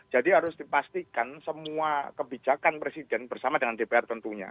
jadi harus dipastikan semua kebijakan presiden bersama dengan dpr tentunya